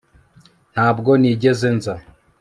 ntabwo nigeze nza